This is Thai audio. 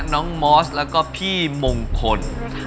น้องมอสแล้วก็พี่มงคล